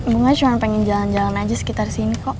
bunga cuma pengen jalan jalan aja sekitar sini kok